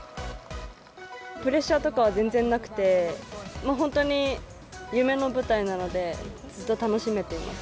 プレッシャーとかは全然なくて、本当に夢の舞台なので、ずっと楽しめています。